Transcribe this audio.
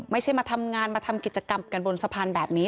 ไม่ใช่มาทำงานมาทำกิจกรรมกันบนสะพานแบบนี้